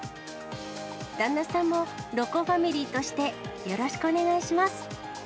旦那さんもロコファミリーとしてよろしくお願いします。